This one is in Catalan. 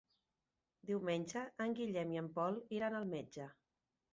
Diumenge en Guillem i en Pol iran al metge.